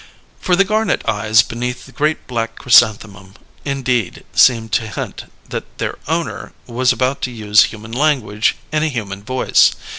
For the garnet eyes beneath the great black chrysanthemum indeed seemed to hint that their owner was about to use human language in a human voice.